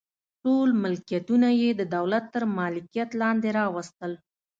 ټول ملکیتونه یې د دولت تر مالکیت لاندې راوستل.